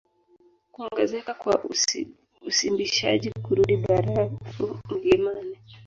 Kuongezeka kwa usimbishaji kurudi barafu mlimani